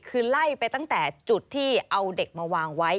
คือไล่ไปตั้งแต่จุดที่เอาเด็กมาวางไว้